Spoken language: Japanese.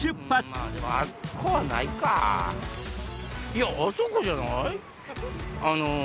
いやあそこじゃない？